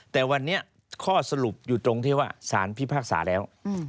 แต่วันนี้ข้อสรุปอยู่ตรงที่ว่าสารพิพากษาแล้ว